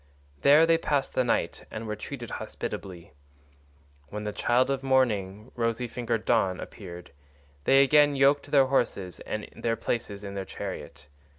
There they passed the night and were treated hospitably. When the child of morning, rosy fingered Dawn, appeared, they again yoked their horses and their places in the chariot.